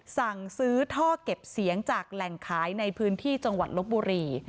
สั่งซื้อท่อเก็บเสียงจากแหล่งขายในพื้นที่จังหวัดลบบุรี